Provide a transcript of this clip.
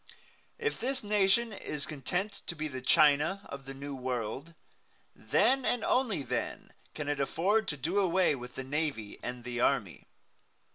If this nation is content to be the China of the New World, then and then only can it afford to do away with the navy and the army.